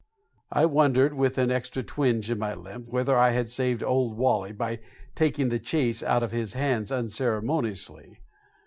I wondered, with an extra twinge in my limp, whether I had saved Old Wally by taking the chase out of his hands unceremoniously.